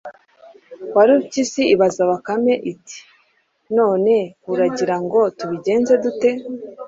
Warupyisi ibaza Bakame iti: “None uragira ngo tubigenze dute?”